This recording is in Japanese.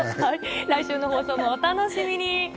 来週の放送もお楽しみに。